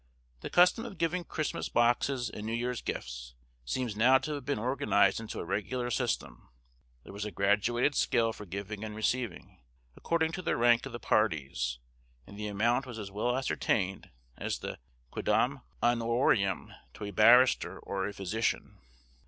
The custom of giving Christmas boxes and New Year's Gifts, seems now to have been organised into a regular system; there was a graduated scale for giving and receiving, according to the rank of the parties, and the amount was as well ascertained as the quiddam honorarium to a barrister or a physician.